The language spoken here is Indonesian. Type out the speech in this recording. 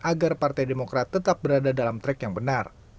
agar partai demokrat tetap berada dalam track yang benar